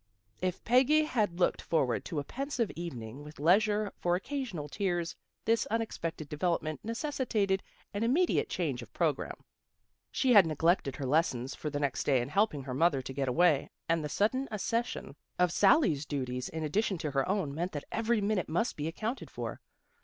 If Peggy had looked forward to a pensive evening, with leisure for occasional tears, this unexpected development necessitated an im mediate change of program. She had neglected her lessons for the next day in helping her mother to get away, and the sudden accession of Sally's duties in addition to her own meant that every minute must be accounted for.